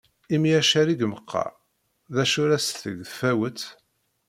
Imi acerrig meqqaṛ, d acu ar as-d-teg tfawett?